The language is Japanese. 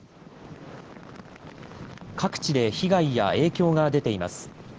各地で被害や影響が出ています。